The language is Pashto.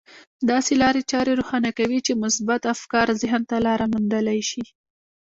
داسې لارې چارې روښانه کوي چې مثبت افکار ذهن ته لاره موندلای شي.